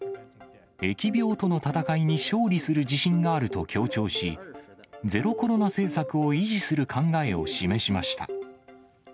疫病との闘いに勝利する自信があると強調し、ゼロコロナ政策を維持する考えを示しました。